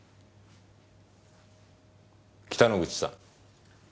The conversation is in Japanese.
北之口さん。